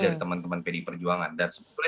dari teman teman pd perjuangan dan sebenarnya